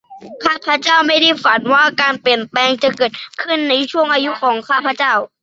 ข้าพเจ้าไม่ได้ฝันว่าการเปลี่ยนแปลงจะเกิดขึ้นในช่วงอายุของข้าพเจ้า